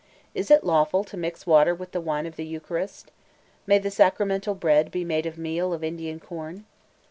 Is it lawful to mix water with the wine of the Eucharist? May the sacramental bread be made of meal of Indian corn?